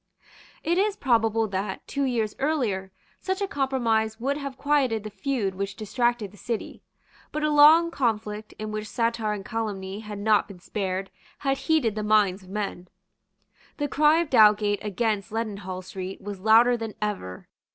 It is probable that, two years earlier, such a compromise would have quieted the feud which distracted the City. But a long conflict, in which satire and calumny had not been spared, had heated the minds of men. The cry of Dowgate against Leadenhall Street was louder than ever.